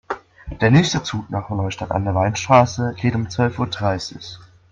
Der nächste Zug nach Neustadt an der Weinstraße geht um zwölf Uhr dreißig